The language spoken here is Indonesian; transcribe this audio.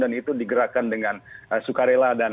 dan itu digerakkan dengan sukarela dan hati nurani